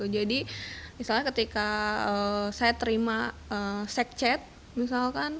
jadi misalnya ketika saya terima seks chat misalkan